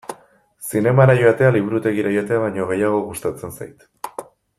Zinemara joatea liburutegira joatea baino gehiago gustatzen zait.